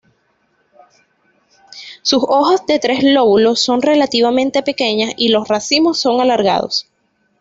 Sus hojas, de tres lóbulos, son relativamente pequeñas y los racimos son alargados.